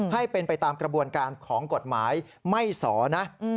ให้เป็นไปตามกระบวนการของกฎหมายไม่สอนะ